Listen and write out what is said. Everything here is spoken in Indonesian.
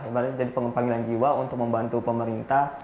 ibaratnya jadi panggilan jiwa untuk membantu pemerintah